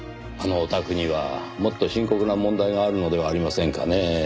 あのお宅にはもっと深刻な問題があるのではありませんかねぇ。